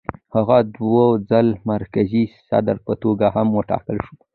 هغه د دوو ځل مرکزي صدر په توګه هم وټاکل شو.